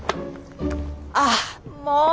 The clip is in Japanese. ああもう！